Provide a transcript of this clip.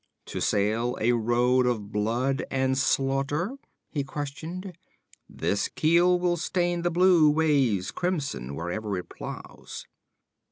'To sail a road of blood and slaughter?' he questioned. 'This keel will stain the blue waves crimson wherever it plows.'